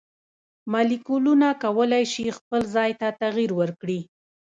مالیکولونه کولی شي خپل ځای ته تغیر ورکړي.